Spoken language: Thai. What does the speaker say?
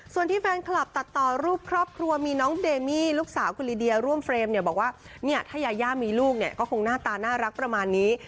ส่วนที่แฟนคลับตัดต่อรูปครอบครัวมีน้องเดมี่ลูกสาวคุณลิเดียร่วมเฟรมเนี่ยบอกว่าเนี่ยถ้ายาย่ามีลูกเนี่ยก็คงหน้าตาน่ารักประมาณนี้